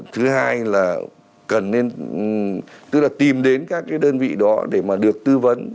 thứ hai là cần nên tìm đến các cái đơn vị đó để mà được tư vấn